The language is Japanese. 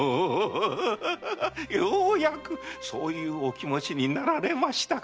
ようやくそういうお気持ちになられましたか！